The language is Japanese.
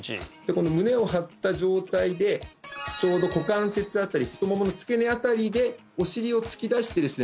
胸を張った状態でちょうど股関節あたり太ももの付け根あたりでお尻を突き出してですね